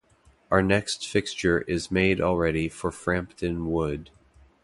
Our next fixture is made already for Frampton Wood.